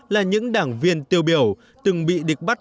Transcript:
là những đảng viên tiêu biểu từng bị địch bắt